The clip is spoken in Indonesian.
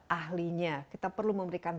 ahlinya kita perlu memberikan